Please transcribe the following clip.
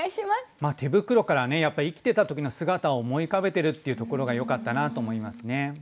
まあ手袋からねやっぱ生きてた時の姿を思い浮かべてるっていうところがよかったなと思いますね。